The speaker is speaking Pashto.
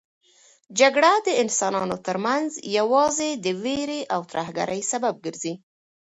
جګړه د انسانانو ترمنځ یوازې د وېرې او ترهګرۍ سبب ګرځي.